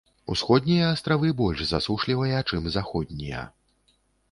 Усходнія астравы больш засушлівыя, чым заходнія.